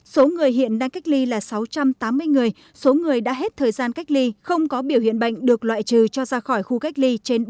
số người hiện đang cách ly là sáu trăm tám mươi người số người đã hết thời gian cách ly không có biểu hiện bệnh được loại trừ cho ra khỏi khu cách ly trên bốn trăm linh người